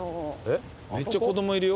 めっちゃ子供いるよ。